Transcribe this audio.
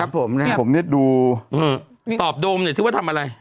ครับผมเนี่ยผมเนี่ยดูอือตอบโดมเนี่ยซึ่งว่าทำอะไร